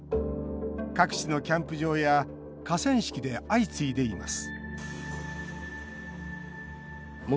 各地のキャンプ場や河川敷で相次いでいます